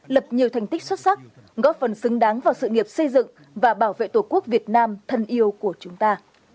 lập nhiều thành tích xuất sắc góp phần xứng đáng vào sự nghiệp xây dựng và bảo vệ tổ quốc việt nam thân yêu của chúng ta